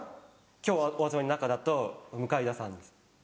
今日お集まりの中だと向田さんです。